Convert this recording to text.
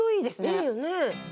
いいよね。